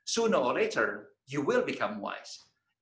secepat atau kemudian anda akan menjadi bijak